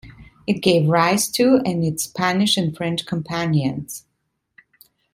It gave rise to and its Spanish and French companions.